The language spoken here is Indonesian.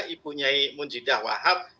ibu nyai munjidah wahab